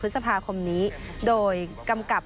ขออนุญาตให้คนในชาติรักกัน